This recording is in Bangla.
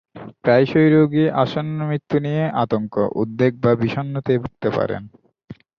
প্রায়শই রোগী আসন্ন মৃত্যু নিয়ে আতঙ্ক, উদ্বেগ বা বিষন্নতায় ভুগতে পারেন।